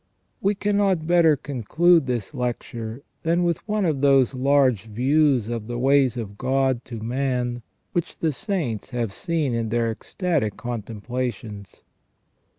We cannot better conclude this lecture than with one of those large views of the ways of God to man which the saints have seen in their ecstatic contemplations.